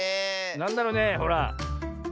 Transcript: なんだろねえほら。